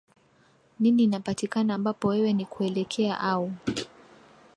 nini inapatikana ambapo wewe ni kuelekea au